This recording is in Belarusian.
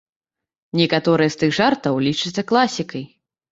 Некаторыя з тых жартаў лічацца класікай.